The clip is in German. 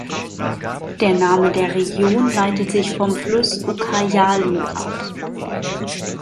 Der Name der Region leitet sich vom Fluss Ucayali ab.